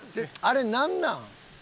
あれなんなん？